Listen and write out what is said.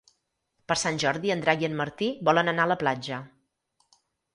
Per Sant Jordi en Drac i en Martí volen anar a la platja.